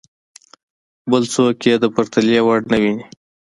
بل څوک یې د پرتلې وړ نه ویني.